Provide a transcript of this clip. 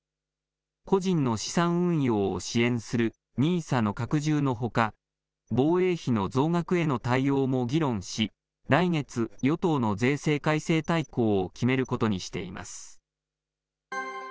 個人の資産運用を支援するＮＩＳＡの拡充のほか、防衛費の増額への対応も議論し、来月、与党の税制改正大綱を決めることにしています。